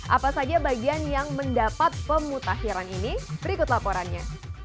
apa saja bagian yang mendapat pemutahiran ini berikut laporannya